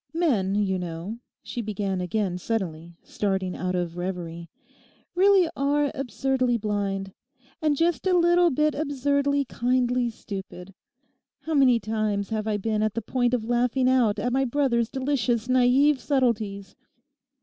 'Men, you know,' she began again suddenly, starting out of reverie, 'really are absurdly blind; and just a little bit absurdly kindly stupid. How many times have I been at the point of laughing out at my brother's delicious naive subtleties.